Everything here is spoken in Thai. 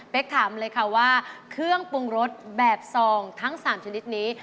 ถามเลยค่ะว่าเครื่องปรุงรสแบบซองทั้ง๓ชนิดนี้